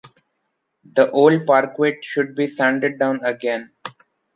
The old parquet should be sanded down again.